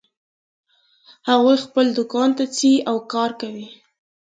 هغوی خپل دوکان ته ځي او کار کوي